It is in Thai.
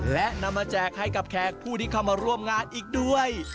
และนำมาแจกให้กับแขกผู้ที่เข้ามาร่วมงานอีกด้วย